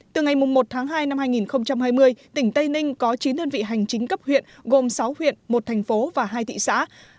từ ngày một tháng hai năm hai nghìn hai mươi tỉnh tây ninh có chín đơn vị hành chính cấp huyện gồm sáu huyện một thành phố và hai thị xã